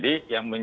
dalam kesan